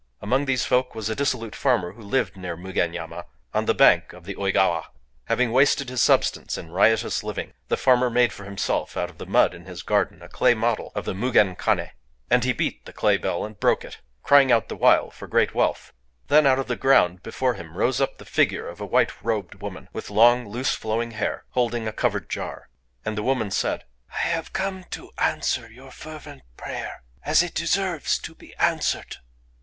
Among these folk was a dissolute farmer who lived near Mugenyama, on the bank of the Ōïgawa. Having wasted his substance in riotous living, this farmer made for himself, out of the mud in his garden, a clay model of the Mugen Kané; and he beat the clay bell, and broke it,—crying out the while for great wealth. Then, out of the ground before him, rose up the figure of a white robed woman, with long loose flowing hair, holding a covered jar. And the woman said: "I have come to answer your fervent prayer as it deserves to be answered.